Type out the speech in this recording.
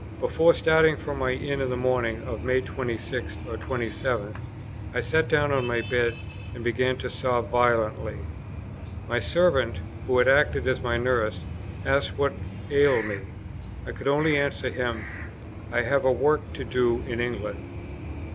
Before starting from my inn in the morning of May 26th or 27th, I sat down on my bed, and began to sob violently. My servant, who had acted as my nurse, asked what ailed me. I could only answer him, "I have a work to do in England."